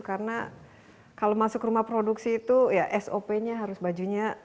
karena kalau masuk rumah produksi itu ya sop nya harus bajunya